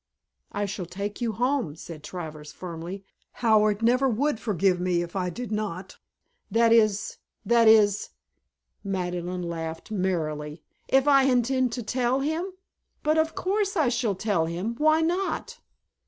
"I shall take you home," said Travers firmly. "Howard never would forgive me if I did not that is that is " Madeleine laughed merrily. "If I intend to tell him! But of course I shall tell him. Why not?"